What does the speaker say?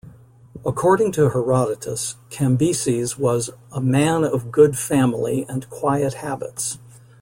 According to Herodotus, Cambyses was "a man of good family and quiet habits".